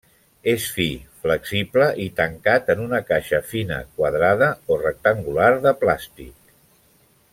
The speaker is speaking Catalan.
És fi, flexible i tancat en una caixa fina quadrada o rectangular de plàstic.